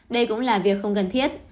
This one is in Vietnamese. đây cũng là việc không cần thiết